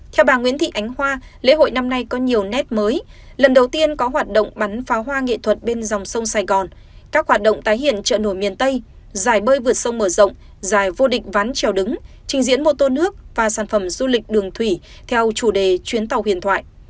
theo bà nguyễn thị ánh hoa lễ hội năm nay có nhiều nét mới lần đầu tiên có hoạt động bắn pháo hoa nghệ thuật bên dòng sông sài gòn các hoạt động tái hiện trợ nổi miền tây giải bơi vượt sông mở rộng giải vô địch ván trèo đứng trình diễn mô tô nước và sản phẩm du lịch đường thủy theo chủ đề chuyến tàu huyền thoại